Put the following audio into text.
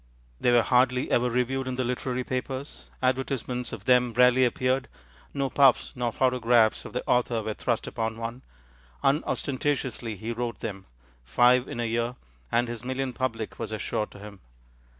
They were hardly ever reviewed in the literary papers; advertisements of them rarely appeared; no puffs nor photographs of the author were thrust upon one, Unostentatiously he wrote them five in a year and his million public was assured to him.